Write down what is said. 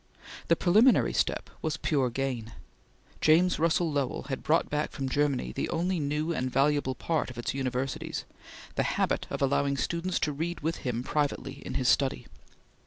The preliminary step was pure gain. James Russell Lowell had brought back from Germany the only new and valuable part of its universities, the habit of allowing students to read with him privately in his study.